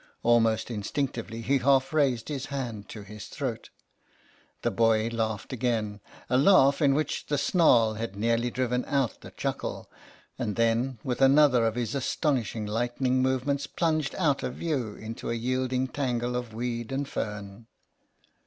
Almost instinctively he half raised his hand to his throat. The boy laughed again, a laugh in which the snarl had nearly driven out the chuckle, and then, with another of his astonishing lightning movements, plunged out of view into a yielding tangle of weed and fern.